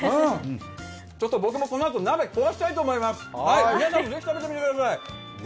僕もこのあと、鍋壊しちゃおうと思います。